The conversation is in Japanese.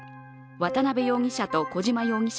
渡辺容疑者、小島容疑者。